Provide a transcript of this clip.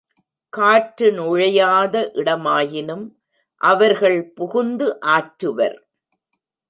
காற்று நுழையாத இடமாயினும் அவர்கள் புகுந்து ஆற்றுவர்.